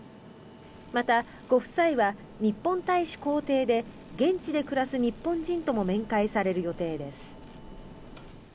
また、ご夫妻は日本大使公邸で現地で暮らす日本人とも面会される予定です。